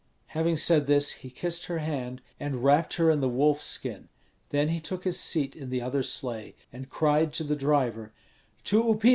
Having said this, he kissed her hand, and wrapped her in the wolf skin; then he took his seat in the other sleigh, and cried to the driver, "To Upita!"